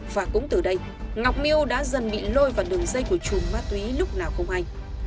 và cũng từ đây ngọc miêu đã dần bị lôi vào đường dây của chùm ma túy lúc nào không hay